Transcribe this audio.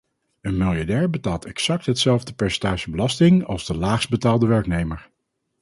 Een miljardair betaalt exact hetzelfde percentage belasting als de laagst betaalde werknemer.